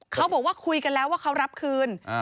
เขาบอกว่าคุยกันแล้วว่าเขารับคืน